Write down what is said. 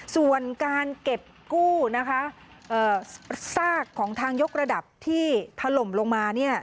ส่วนการเก็บกู้ซากของทางยกระดับที่ถล่มลงมา